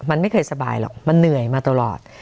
มันไม่เคยสบายหรอกมันเหนื่อยมาตลอด